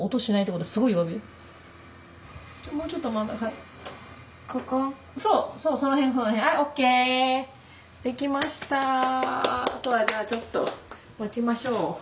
あとはじゃあちょっと待ちましょう。